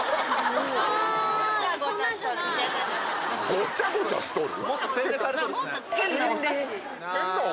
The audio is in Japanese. ごちゃごちゃしとる？